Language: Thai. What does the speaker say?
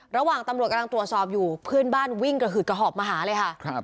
ระหว่างตำรวจกำลังตรวจสอบอยู่เพื่อนบ้านวิ่งกระหืดกระหอบมาหาเลยค่ะ